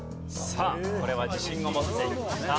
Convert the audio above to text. さあこれは自信を持っていきました。